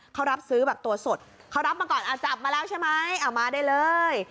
เขารับซื้อแบบตัวสดเขารับมาก่อนจับมาแล้วใช่ไหมเอามาได้เลย